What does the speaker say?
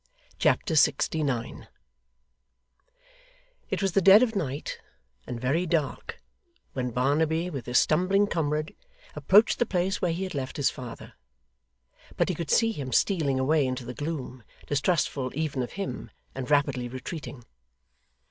Chapter 69 It was the dead of night, and very dark, when Barnaby, with his stumbling comrade, approached the place where he had left his father; but he could see him stealing away into the gloom, distrustful even of him, and rapidly retreating.